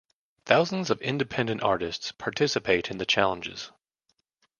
Thousands of independent artists participate in the challenges.